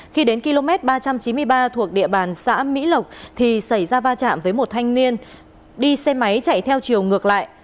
khi đến km ba trăm chín mươi ba thuộc địa bàn xã mỹ lộc thì xảy ra va chạm với một thanh niên đi xe máy chạy theo chiều ngược lại